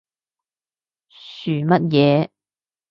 噓乜嘢？